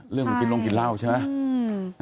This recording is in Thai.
เรื่องของกินลงกินเหล้าใช่ไหม